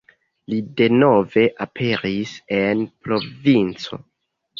Li denove aperis en provinco.